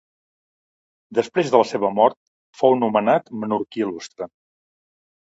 Després de la seva mort fou nomenat Menorquí Il·lustre.